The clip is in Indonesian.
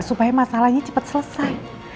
supaya masalahnya cepat selesai